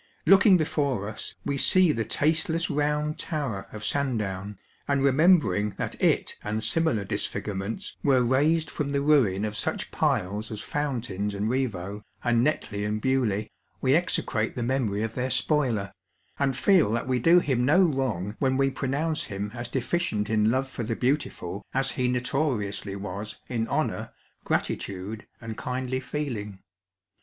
Looking before us, we see the tasteless round tower of Sandown, and remem bering that it and similar disfigurements were raised from the 3 English HisSot 29 I I I I ruin of sucli piles aa Pouutaiu* and llicvaulx, atul Netlcy and B^rnulieu, we execrate the memory of tlieir spoiler, and feel that wc do him no wrong when we pronounce him as deficient in love for the beautiful as he notoriously was in honour, gratitude, and kindly feeling.